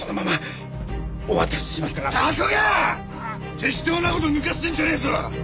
適当な事ぬかしてるんじゃねえぞ！